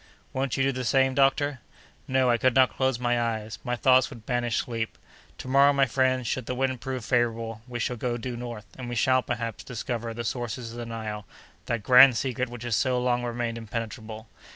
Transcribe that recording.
"Won't you do the same, doctor?" "No, I could not close my eyes. My thoughts would banish sleep. To morrow, my friends, should the wind prove favorable, we shall go due north, and we shall, perhaps, discover the sources of the Nile, that grand secret which has so long remained impenetrable.